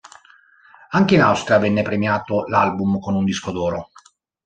Anche in Austria venne premiato l'album con un disco d´oro.